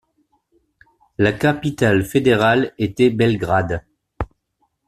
La capitale fédérale était Belgrade.